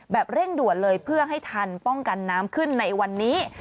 เร่งด่วนเลยเพื่อให้ทันป้องกันน้ำขึ้นในวันนี้